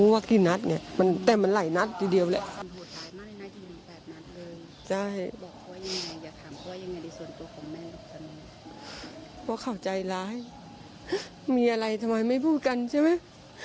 ว่าเขาใจร้ายมีอะไรทำไมไม่พูดกันใช่ไหม